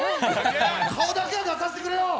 顔だけは出させてくれよ！